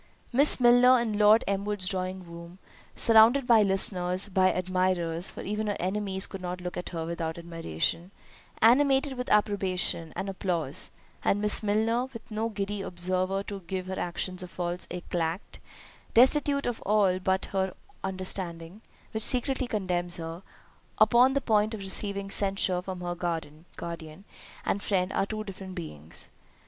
Miss Milner in Lord Elmwood's drawing room, surrounded by listeners, by admirers, (for even her enemies could not look at her without admiration) animated with approbation and applause—and Miss Milner, with no giddy observer to give her actions a false éclat, destitute of all but her own understanding, (which secretly condemns her) upon the point of receiving censure from her guardian and friend, are two different beings.